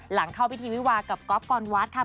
หลังเข้าพิธีวิวากับก๊อฟกรวัดค่ะ